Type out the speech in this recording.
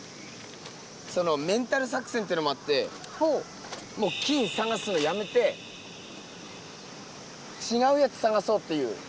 そのメンタル作戦ってのもあってもう金探すのやめてちがうやつ探そうっていう。